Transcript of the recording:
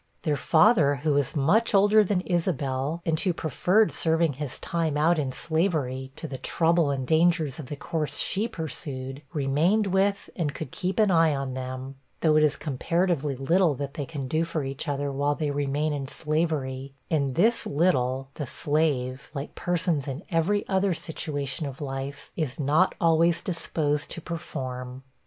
Their father, who was much older than Isabel, and who preferred serving his time out in slavery, to the trouble and dangers of the course she pursued, remained with and could keep an eye on them though it is comparatively little that they can do for each other while they remain in slavery; and this little the slave, like persons in every other situation of life, is not always disposed to perform.